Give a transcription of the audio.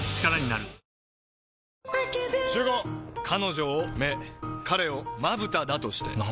彼女を目彼をまぶただとして。